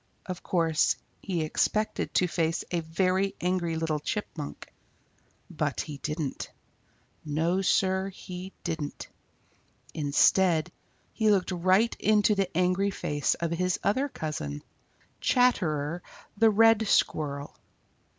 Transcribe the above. Of course he expected to face a very angry little Chipmunk. But he didn't. No, Sir, he didn't. Instead, he looked right into the angry face of his other cousin, Chatterer the Red Squirrel.